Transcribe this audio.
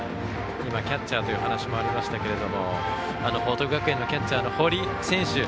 キャッチャーというお話もありましたが報徳学園のキャッチャーの堀選手